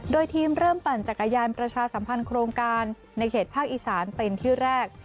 โดยทีมเริ่มปั่นจักรยานประชาสัมพันธ์โครงการในเขตภาคอีสานเป็นที่แรก